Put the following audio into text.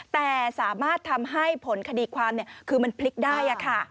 แต่สามารถทำให้ผลคดีความคือมันพลิกได้ค่ะ